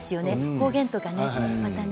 方言とか、またね。